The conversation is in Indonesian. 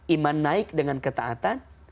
iman naik dengan ketaatan